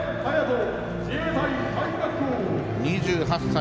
２８歳。